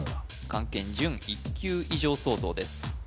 漢検準１級以上相当です